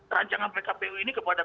rancangan pkpu ini kepada